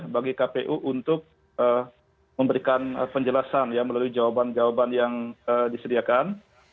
bagi kpu untuk memberikan penjelasan melalui jawaban jawaban yang disediakan